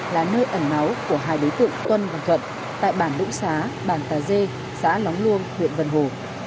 là nơi ẩn náu của hai đối tượng tuân và thuận tại bản lũng xá bản tà dê xã lóng luông huyện vân hồ